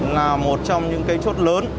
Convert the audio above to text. là một trong những cái chốt lớn